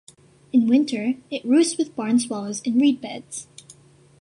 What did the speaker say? In winter, it roosts with barn swallows in reedbeds.